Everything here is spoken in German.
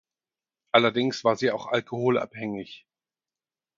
Allerdings war sie auch alkoholabhängig.